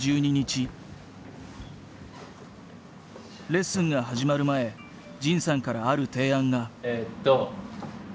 レッスンが始まる前仁さんからある提案が。